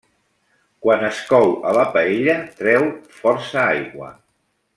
Quan es cou a la paella treu força aigua.